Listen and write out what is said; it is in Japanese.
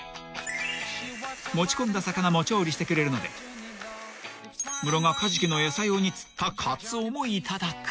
［持ち込んだ魚も調理してくれるのでムロがカジキの餌用に釣ったカツオも頂く］